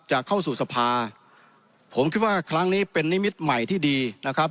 จะเข้าสู่สภาผมคิดว่าครั้งนี้เป็นนิมิตใหม่ที่ดีนะครับ